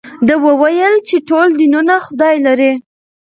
ده وویل چې ټول دینونه خدای لري.